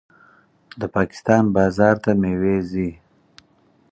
د پاکستان بازار ته میوې ځي.